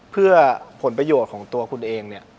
เพื่อผลประโยชน์ของตัวคุณเองเนี่ย